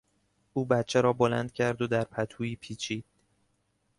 او بچه را بلند کرد و در پتویی پیچید.